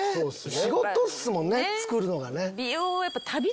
仕事っすもんねつくるのがね。